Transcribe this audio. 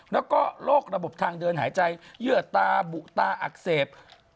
แล้วก็โรคระบบทางเดินหายใจเยื่อตาบุตาอักเสบ